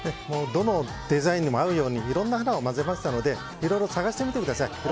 どのデザインにも合うようにいろんな花を混ぜましたので探してみてください。